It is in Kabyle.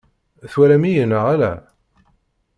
Twalam-iyi neɣ ala?